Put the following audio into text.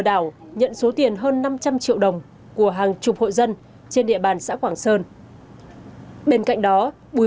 đảo nhận số tiền hơn năm trăm linh triệu đồng của hàng chục hội dân trên địa bàn xã quảng sơn bên cạnh đó bùi